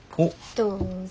どうぞ。